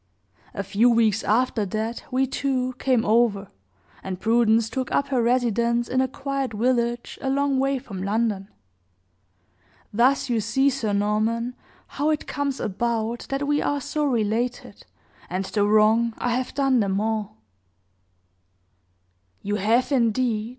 A few weeks after that we, too, came over, and Prudence took up her residence in a quiet village a long way from London. Thus you see, Sir Norman, how it comes about that we are so related, and the wrong I have done them all." "You have, indeed!"